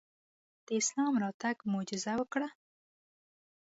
د اسلام راتګ معجزه وکړه.